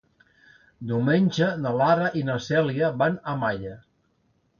Diumenge na Lara i na Cèlia van a Malla.